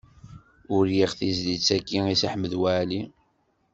Uriɣ tizlit-agi i Si Ḥmed Waɛli.